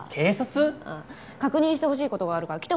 確認してほしい事があるから来てほしいってさ。